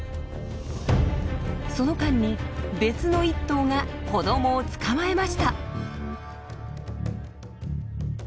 その間に別の１頭が子どもを捕まえました。